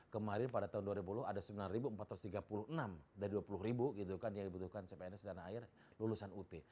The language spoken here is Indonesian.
kemarin pada tahun dua ribu dua puluh ada sembilan empat ratus tiga puluh enam dari dua puluh yang dibutuhkan cpns di tanah air lulusan ut